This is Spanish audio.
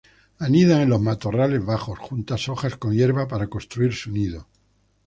Anidan en los matorrales bajos, juntan hojas con hierba para construir su nido.